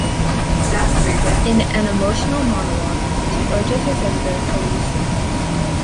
In an emotional monologue, she urges her sister to leave Stanley.